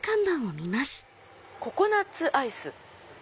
「ココナッツアイス」。